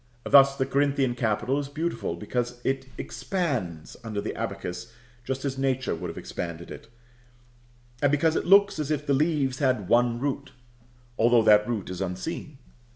Thus the Corinthian capital is beautiful, because it expands under the abacus just as Nature would have expanded it; and because it looks as if the leaves had one root, though that root is unseen.